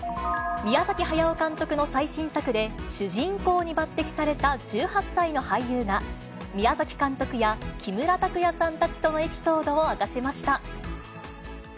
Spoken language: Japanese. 宮崎駿監督の最新作で主人公に抜てきされた１８歳の俳優が、宮崎監督や木村拓哉さんたちとのエピソードを明かしました。